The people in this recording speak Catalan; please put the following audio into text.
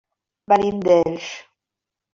Venim d'Elx.